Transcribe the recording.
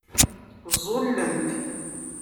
Ẓẓullent.